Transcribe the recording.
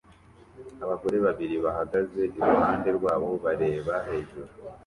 Abagore babiri bahagaze iruhande rwabo bareba hejuru